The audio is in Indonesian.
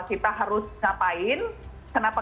kita harus ngapain kenapa